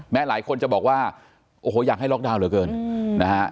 หลายคนจะบอกว่าโอ้โหอยากให้ล็อกดาวน์เหลือเกินนะฮะ